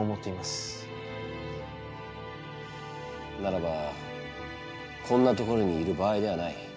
ならばこんな所にいる場合ではない。